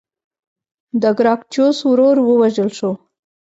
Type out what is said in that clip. د ګراکچوس ورور ووژل شو.